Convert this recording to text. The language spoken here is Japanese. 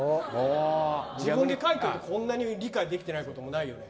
自分で書いておいてこんなに理解できてないこともないよね。